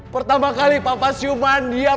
pertama kali papa siuman dia